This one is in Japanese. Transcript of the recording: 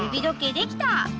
できたね！